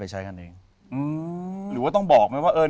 หรือว่าต้องบอกไหมว่า